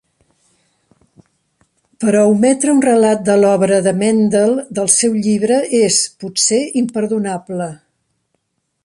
Però ometre un relat de l'obra de Mendel del seu llibre és, potser, imperdonable.